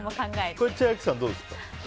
千秋さん、どうですか？